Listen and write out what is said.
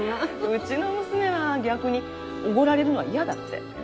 うちの娘は逆におごられるのは嫌だって。